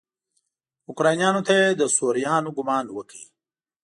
اوکرانیانو ته یې د سوريانو ګمان وکړ.